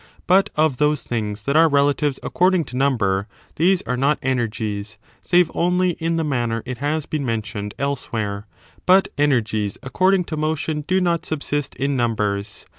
But of those things that are relatives according to number, these are not energies, save only in the manner it has been mentioned elsewhere ; but energies according to motion do not subsist in numbers.